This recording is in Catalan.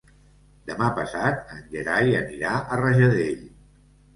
Demà passat en Gerai anirà a Rajadell.